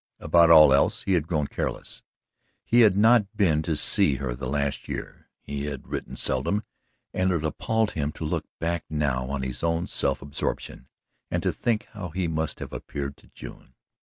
About all else he had grown careless. He had not been to see her the last year, he had written seldom, and it appalled him to look back now on his own self absorption and to think how he must have appeared to June.